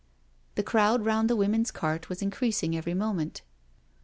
'* The crowd round the women's cart was increasing every moment.